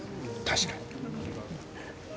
確かに。